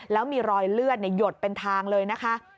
แล้วมีรอยเลือดหยดเป็นทางเลยนะคะ